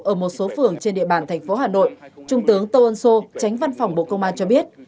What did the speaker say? ở một số phường trên địa bàn thành phố hà nội trung tướng tô ân sô tránh văn phòng bộ công an cho biết